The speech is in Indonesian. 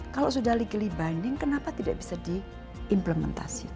kalau sudah legally binding kenapa tidak bisa diimplementasikan